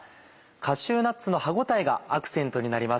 カシューナッツの歯応えがアクセントになります。